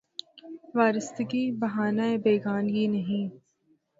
وارستگی بہانۂ بیگانگی نہیں